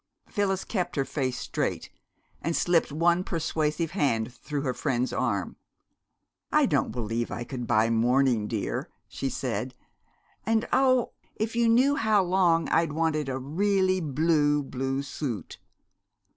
Phyllis kept her face straight, and slipped one persuasive hand through her friend's arm. "I don't believe I could buy mourning, dear," she said. "And oh, if you knew how long I'd wanted a really blue blue suit!